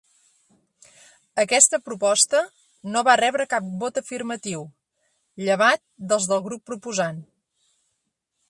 Aquesta proposta no va rebre cap vot afirmatiu, llevat dels del grup proposant.